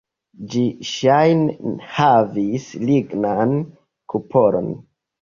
Ĝi ŝajne havis lignan kupolon.